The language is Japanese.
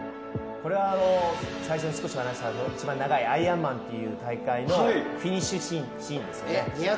これは最初に少し話をしていた一番長いアイアンマンという大会のフィニッシュシーンです。